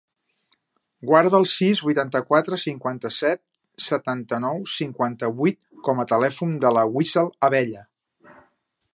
Guarda el sis, vuitanta-quatre, cinquanta-set, setanta-nou, cinquanta-vuit com a telèfon de la Wissal Abella.